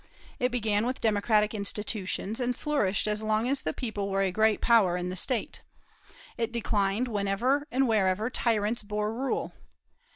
It began with democratic institutions, and flourished as long as the People were a great power in the State; it declined whenever and wherever tyrants bore rule.